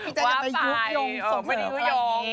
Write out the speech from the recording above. พี่แจ๊กพี่แจ๊กจะไปยุ่งส่งเผลออะไรอย่างนี้